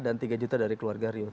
dan tiga juta dari keluarga rio